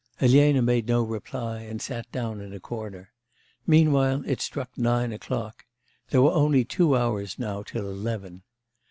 Elena made no reply, and sat down in a corner. Meanwhile it struck nine o'clock; there were only two haurs now till eleven.